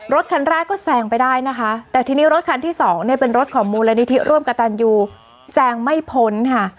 รถคันแรกก็แซงไปได้นะคะแต่ทีนี้รถคันที่สองเนี่ยเป็นรถของมูลนิธิร่วมกับตันยูแซงไม่พ้นค่ะ